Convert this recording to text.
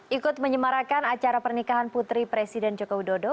ikut menyemarakan acara pernikahan putri presiden joko widodo